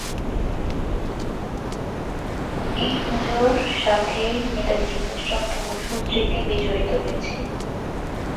এই পূজার সাথে নেতাজী সুভাষ চন্দ্র বসুর স্মৃতি বিজড়িত রয়েছে।